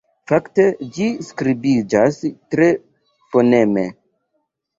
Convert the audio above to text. Fakte ĝi skribiĝas tre foneme.